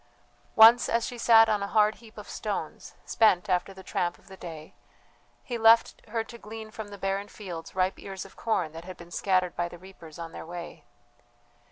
Once as she sat on a hard heap of stones, spent after the tramp of the day, he left her to glean from the barren fields ripe ears of corn that had been scattered by the reapers on their way.